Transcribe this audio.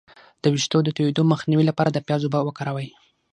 د ویښتو د تویدو مخنیوي لپاره د پیاز اوبه وکاروئ